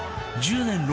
１０年